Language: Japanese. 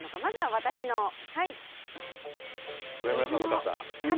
上村さんの傘。